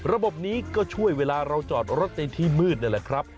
ระบบนี้ก็ช่วยเวลาเราจอดรถในที่มืดนั่นแหละครับ